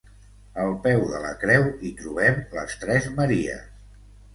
Al peu de la creu hi trobem les tres Maries.